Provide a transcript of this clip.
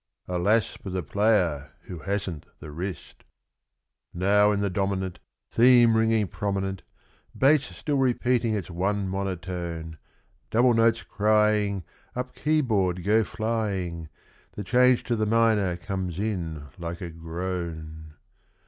(Alas! for the player who hasn't the wrist!) Now in the dominant Theme ringing prominent, Bass still repeating its one monotone, Double notes crying, Up keyboard go flying, The change to the minor comes in like a groan.